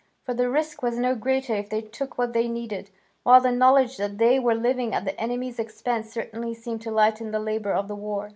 For the risk was no greater if they took what they needed, while the knowledge that they were living at the enemy's expense certainly seemed to lighten the labour of the war.